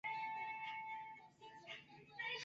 难怪人这么少